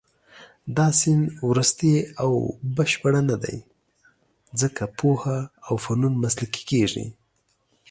دا سیند وروستۍ او بشپړه نه دی، ځکه پوهه او فنون مسلکي کېږي.